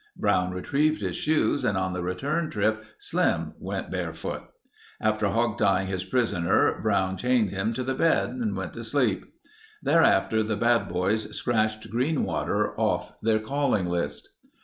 Brown retrieved his shoes and on the return trip Slim went barefoot. After hog tying his prisoner Brown chained him to the bed and went to sleep. Thereafter, the bad boys scratched Greenwater off their calling list.